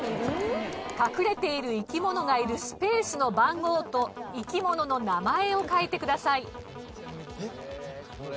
隠れている生き物がいるスペースの番号と生き物の名前を書いてください。